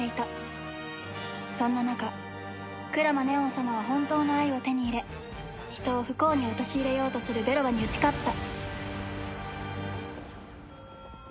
そんな中鞍馬祢音様は本当の愛を手に入れ人を不幸に陥れようとするベロバに打ち勝った